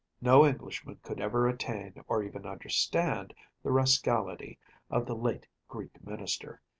No Englishman could ever attain, or even understand, the rascality of the late Greek Minister.